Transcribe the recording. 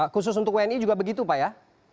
khusus untuk wni juga begitu pak ya